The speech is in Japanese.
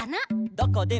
「どこでも」